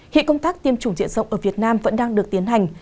hiện công tác tiêm chủng diện rộng ở việt nam vẫn đang được tiến hành